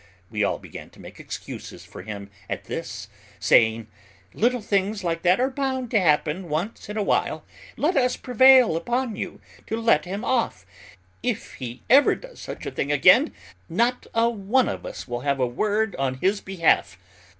We all began to make excuses for him at this, saying, "Little things like that are bound to happen once in a while, let us prevail upon you to let him off; if he ever does such a thing again, not a one of us will have a word to say in his behalf."